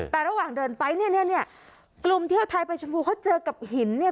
แต่ระหว่างเดินไปเนี่ยเนี่ยกลุ่มเที่ยวไทยไปชมพูเขาเจอกับหินเนี่ย